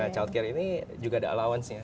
childcare ini juga ada allowance nya